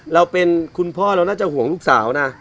เราเป็นคุณพ่อของลูกสาว